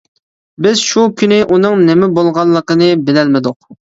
بىز شۇ كۈنى ئۇنىڭ نېمە بولغانلىقىنى بىلەلمىدۇق.